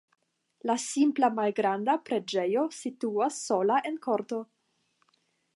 La simpla malgranda preĝejo situas sola en korto.